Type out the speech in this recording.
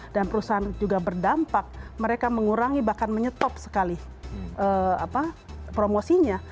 dan perusahaan juga berdampak mereka mengurangi bahkan menyetop sekali promosinya